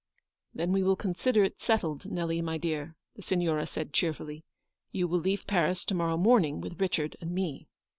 "Then we may consider it settled, Nelly, my dear/' the Signora said, cheerfully. " You will leave Paris to morrow morning, with Richard and me.